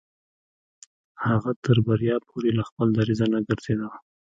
هغه تر بريا پورې له خپل دريځه نه ګرځېده.